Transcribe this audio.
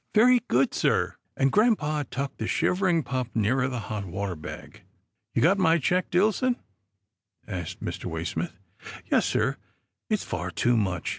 " Very good, sir," and grampa tucked the shiv ering pup nearer the hot water bag. " You got my check, Dillson ?" asked Mr. Way smith. " Yes sir, it's far too much.